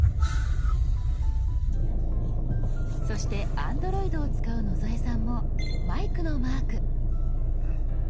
そしてＡｎｄｒｏｉｄを使う野添さんもマイクのマーク。